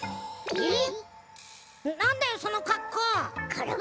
えっ！？